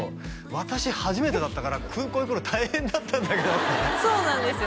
「私初めてだったから空港行くの大変だったんだけど」ってそうなんですよ